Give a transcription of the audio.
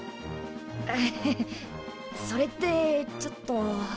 アハそれってちょっと。